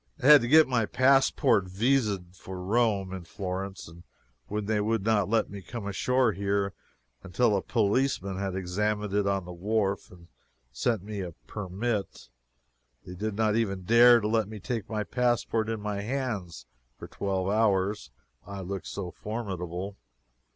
I had to get my passport vised for Rome in Florence, and then they would not let me come ashore here until a policeman had examined it on the wharf and sent me a permit. They did not even dare to let me take my passport in my hands for twelve hours, I looked so formidable.